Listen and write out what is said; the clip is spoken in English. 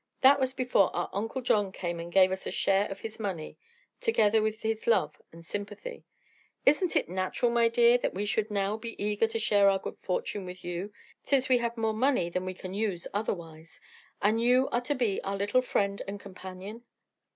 That was before our Uncle John came and gave us a share of his money, together with his love and sympathy. Isn't it natural, my dear, that we should now be eager to share our good fortune with you, since we have more money than we can use otherwise, and you are to be our little friend and companion?"